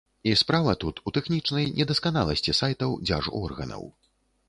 І справа тут у тэхнічнай недасканаласці сайтаў дзяржорганаў.